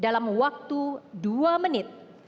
dalam waktu dua menit